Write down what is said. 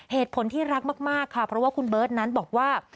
เหตุผลที่รักมากค่ะเพราะว่าคุณเบิร์ตนั้นบอกว่า